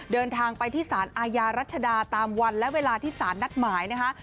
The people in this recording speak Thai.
เดินทางไปที่สารอาญารัชดาตามวันและเวลาที่สารนัดหมายนะคะ